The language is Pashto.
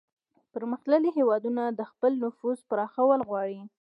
پرمختللي هیوادونه د خپل نفوذ پراخول غواړي